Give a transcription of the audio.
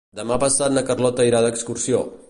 Demà passat na Carlota irà d'excursió.